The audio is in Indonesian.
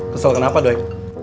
kesel kenapa doi